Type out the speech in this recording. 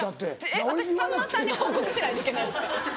えっ私さんまさんに報告しないといけないんですか？